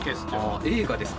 映画ですか。